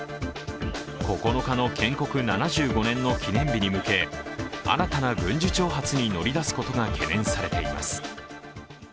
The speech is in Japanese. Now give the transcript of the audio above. ９日の建国７５年の記念日に向け新たな軍事挑発に乗り出すことが懸念されています。